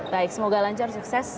baik semoga lancar sukses